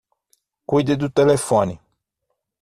Cuide do telefone